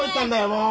もう。